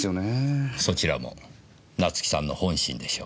そちらも夏生さんの本心でしょう。